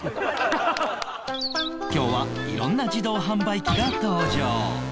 今日は色んな自動販売機が登場